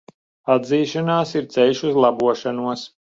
Atzīšanās ir ceļš uz labošanos.